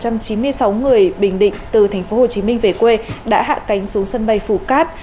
sáu người bình định từ tp hcm về quê đã hạ cánh xuống sân bay phủ cát